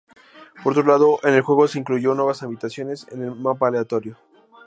Por otro lado, en el juego se incluyó nuevas ambientaciones en el mapa aleatorios.